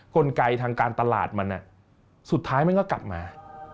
กลไกทางการตลาดมันสุดท้ายมันก็กลับมา